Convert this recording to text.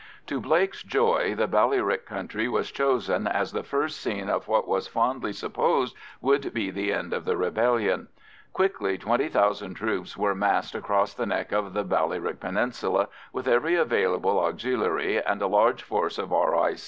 To Blake's joy, the Ballyrick country was chosen as the first scene of what was fondly supposed would be the end of the rebellion. Quickly 20,000 troops were massed across the neck of the Ballyrick Peninsula with every available Auxiliary and a large force of R.I.